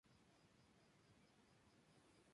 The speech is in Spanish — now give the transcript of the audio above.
Es el único álbum de la banda con el cantante Jess Cox.